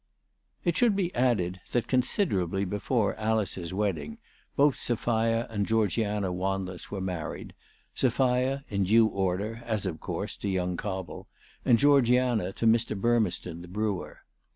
It should be added that considerably before Alice's wedding, both Sophia and Georgiana Wanless were married, Sophia, in due order, as of course, to young Cobble, and Georgiana to Mr. Burmeston, the brewer.